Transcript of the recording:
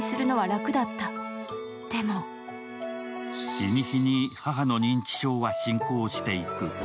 日に日に母の認知症は進行していく。